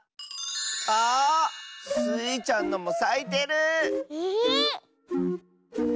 あ！スイちゃんのもさいてる！え？